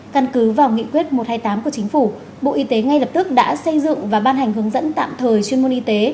căn cứ vào nghị quyết một trăm hai mươi tám của chính phủ bộ y tế ngay lập tức đã xây dựng và ban hành hướng dẫn tạm thời chuyên môn y tế